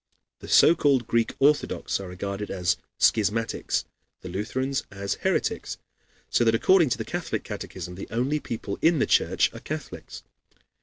"] The so called Greek Orthodox are regarded as schismatics, the Lutherans as heretics; so that according to the Catholic catechism the only people in the Church are Catholics.